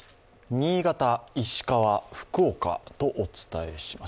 新潟、石川、福岡とお伝えします。